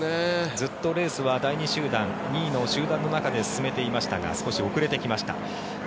ずっとレースは第２集団の中で進めていましたが少し遅れてきました。